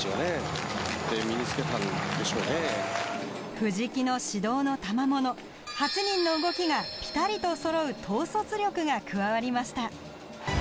藤木の指導のたまもの８人の動きがぴたりとそろう統率力が加わりました。